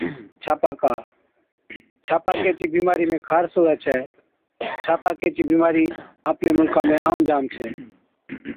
ڇاپاڪا Urticaria، ڇاپاڪي چِي بِيمارِي ۾ خارس هُوَي ڇَي، ڇاپاڪي چِي بِيمارِي آپلي مُلڪا ۾ عام جام ڇَي۔